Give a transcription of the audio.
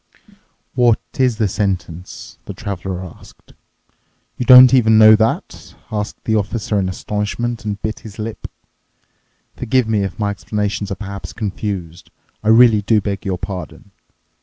"What is the sentence?" the Traveler asked. "You don't even know that?" asked the Officer in astonishment and bit his lip. "Forgive me if my explanations are perhaps confused. I really do beg your pardon.